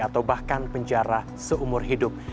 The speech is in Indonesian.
atau bahkan penjara seumur hidup